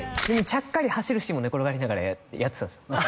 ちゃっかり走るシーンも寝転がりながらやってたんですよ